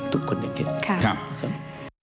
ทุกคนอยากเห็น